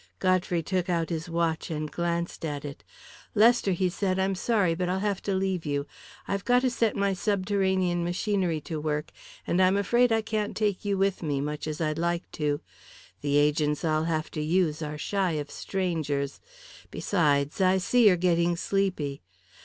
Godfrey took out his watch and glanced at it. "Lester," he said, "I'm sorry, but I'll have to leave you. I've got to set my subterranean machinery to work, and I'm afraid I can't take you with me, much as I'd like to. The agents I'll have to use are shy of strangers. Besides, I see you're getting sleepy."